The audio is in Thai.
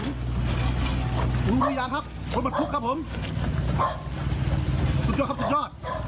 คุณพยายามครับคนมันคุกครับผมสุดยอดครับสุดยอด